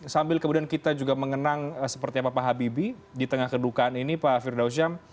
sambil kemudian kita juga mengenang seperti apa pak habibie di tengah kedukaan ini pak firdausyam